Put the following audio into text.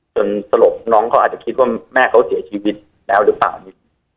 สลบน้องเขาอาจจะคิดว่าแม่เขาเสียชีวิตแล้วหรือเปล่านี่